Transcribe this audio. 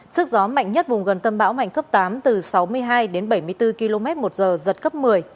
sức gió mạnh nhất vùng gần tâm bão mạnh cấp tám từ sáu mươi hai đến bảy mươi bốn km một giờ giật cấp một mươi